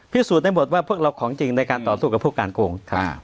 พิสูจน์ได้หมดว่าพวกเราของจริงในการต่อสู้กับพวกการโกง